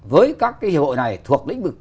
với các hiệp vụ này thuộc lĩnh vực